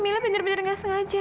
mila benar benar nggak sengaja